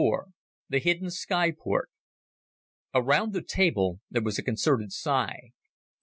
The Hidden Skyport Around the table there was a concerted sigh.